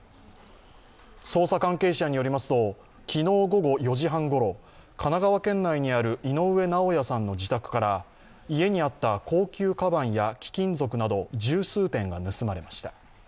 捜査関係者によりますと昨日午後４時半ごろ神奈川県内にある井上尚弥さんの自宅から家にあった高級かばんや貴金属など十数点が盗まれました。